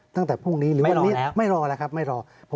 ตั้งแต่พ็งกี้ไม่รอหรอกไม่รอครับ